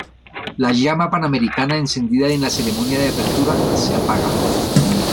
La llama panamericana encendida en la ceremonia de apertura se apaga.